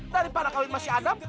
daripada kawin sama adam